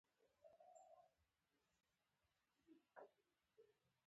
غرمه د خوشبویو دروازه ده